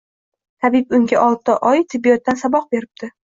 Tabib unga olti oy tibbiyotdan saboq beribdi